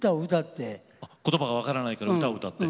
言葉が分からないから歌を歌って。